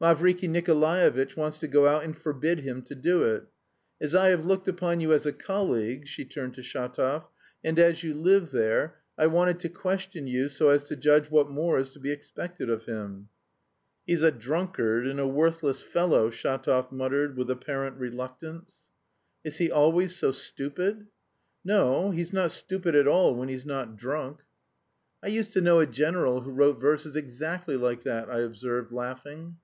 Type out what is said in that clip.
Mavriky Nikolaevitch wants to go out and forbid him to do it. As I have looked upon you as a colleague," she turned to Shatov, "and as you live there, I wanted to question you so as to judge what more is to be expected of him." "He's a drunkard and a worthless fellow," Shatov muttered with apparent reluctance. "Is he always so stupid?" "No, he's not stupid at all when he's not drunk." "I used to know a general who wrote verses exactly like that," I observed, laughing.